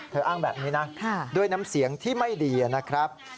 อ้างแบบนี้นะด้วยน้ำเสียงที่ไม่ดีนะครับ